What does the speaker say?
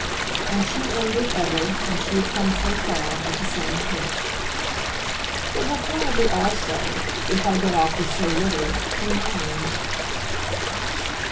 And she ended, ever, when she had come so far, at the same pitch. "It will probably also if I get off with so little be mine."